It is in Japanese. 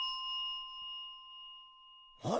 あれ？